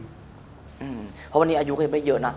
เพราะวันนี้อายุแค่ไม่เยอะนะ